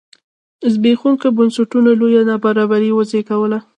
زبېښوونکو بنسټونو لویه نابرابري وزېږوله.